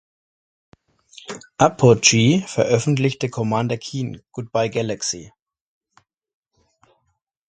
Apogee veröffentlichte "Commander Keen: Goodbye Galaxy!